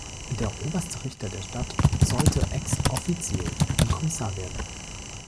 Der oberste Richter der Stadt sollte „ex officio“, ein Kommissar, werden.